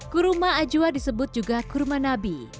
kurma ajwa disebut juga kurma nabi